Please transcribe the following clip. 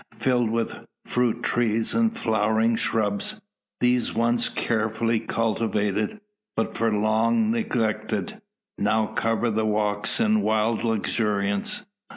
Filled with fruit trees and flowering shrubs, these once carefully cultivated, but for long neglected, now cover the walks in wild luxuriance.